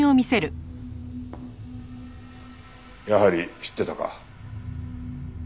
やはり知ってたか。